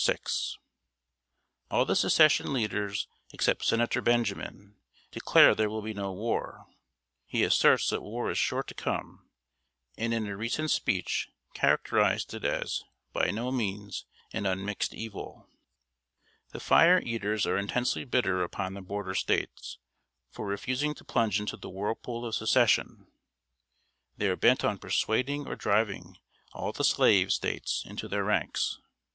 _ All the Secession leaders except Senator Benjamin declare there will be no war. He asserts that war is sure to come; and in a recent speech characterized it as "by no means an unmixed evil." The Fire Eaters are intensely bitter upon the border States for refusing to plunge into the whirlpool of Secession. They are bent on persuading or driving all the slave States into their ranks.